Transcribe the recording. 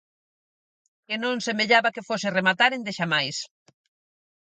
Que non semellaba que fose rematar endexamais.